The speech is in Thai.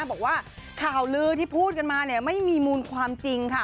บอกว่าข่าวลือที่พูดกันมาเนี่ยไม่มีมูลความจริงค่ะ